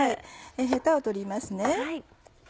ヘタを取りますね。